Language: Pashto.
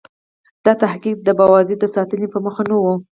دا تحقیق د ابوزید د ستاینې په موخه نه و.